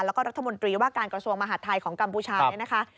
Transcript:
แล้วก็รัฐมนตรีว่าการกระทรวงมหาดไทยของกัมพูชาเนี่ยนะคะ